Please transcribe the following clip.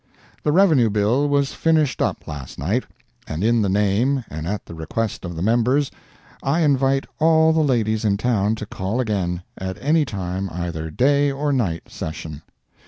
The Revenue bill was finished up last night, and in the name and at the request of the members, I invite all the ladies in town to call again, at any time, either day or night session.